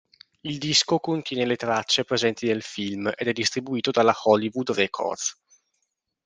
Il disco contiene le tracce presenti nel film ed è distribuito dalla Hollywood Records.